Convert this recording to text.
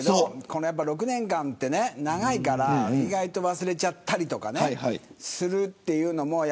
この６年間って長いから意外と忘れちゃったりとかする。